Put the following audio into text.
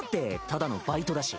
ただのバイトだし。